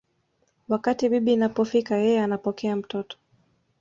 Wakati bibi inapofika yeye anapokea mtoto